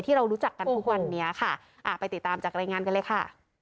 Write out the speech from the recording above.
เรารู้จักกันทุกวันนี้ค่ะอ่าไปติดตามจากรายงานกันเลยค่ะ